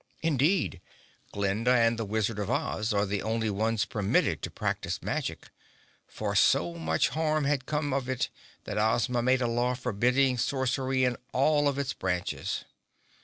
Indeed, Glinda and the Wizard of Oz are the only ones permitted to practice magic, for so much harm had come of it that Ozma made a law forbidding sorcery in all of its branches.